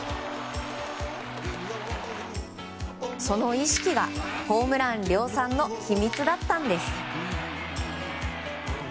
その意識がホームラン量産の秘密だったんです。